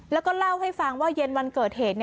แล้วก็เล่าให้ฟังว่าเย็นวันเกิดเหตุ